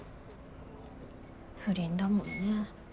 不倫だもんね。